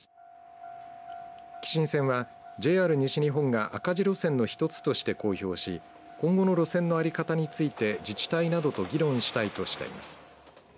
姫新線はＪＲ西日本が赤字路線の一つとして公表し今後の路線の在り方について自治体などと議論したいとしています。